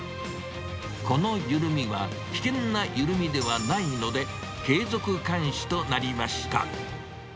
この緩みは危険な緩みではないので、継続監視となりました。